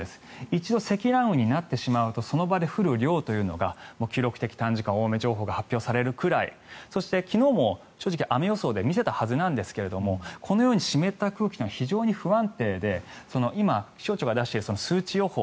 一度、積乱雲になってしまうとその場で降る量というのが記録的短時間大雨情報が発表されるくらいそして、昨日も正直雨予想で見せたはずなんですがこのように湿った空気が非常に不安定で今、気象庁が出している数値予想